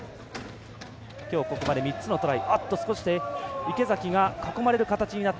きょうここまで３つのトライ。